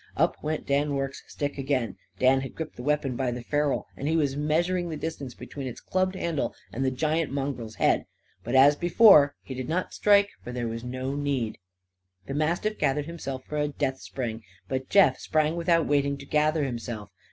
Up went Dan Rorke's stick again. Dan had gripped the weapon by the ferrule and he was measuring the distance between its clubbed handle and the giant mongrel's head. But, as before, he did not strike; for there was no need. The mastiff gathered himself for a death spring. But Jeff sprang without waiting to gather himself.